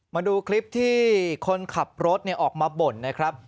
มาดูคลิปที่คนขับรถออกมาบ่นนะครับ